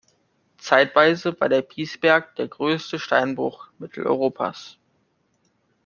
Zeitweise war der Piesberg der größte Steinbruch Mitteleuropas.